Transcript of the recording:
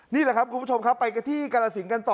นี่แหละครับคุณผู้ชมครับไปกันที่กรสินกันต่อ